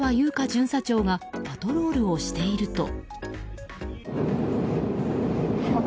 巡査長がパトロールをしていると。